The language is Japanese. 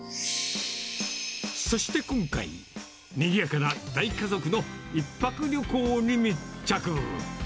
そして今回、にぎやかな大家族の１泊旅行に密着。